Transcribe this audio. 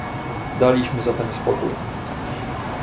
"Daliśmy zatem spokój."